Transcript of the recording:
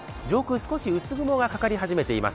少し薄雲がかかり始めてます。